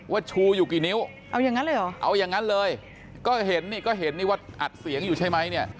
ชูอยู่กี่นิ้วเอาอย่างนั้นเลยเหรอเอาอย่างนั้นเลยก็เห็นนี่ก็เห็นนี่ว่าอัดเสียงอยู่ใช่ไหมเนี่ย